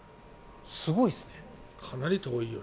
すごいですね。